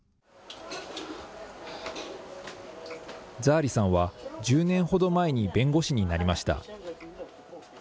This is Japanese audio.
ザー・リさんは、１０年ほど前に弁護士になりました。